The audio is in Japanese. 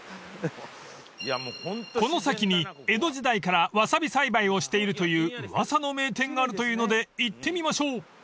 ［この先に江戸時代からワサビ栽培をしているという噂の名店があるというので行ってみましょう］